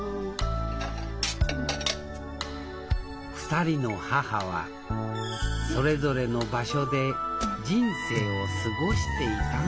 ２人の母はそれぞれの場所で人生を過ごしていたのであります